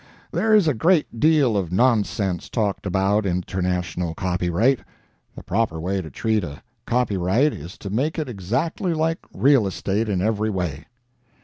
"There is a great deal of nonsense talked about international copyright. The proper way to treat a copyright is to make it exactly like real estate in every way.